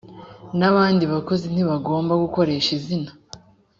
n abandi bakozi ntibagomba gukoresha izina